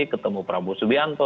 ketemu prabowo subianto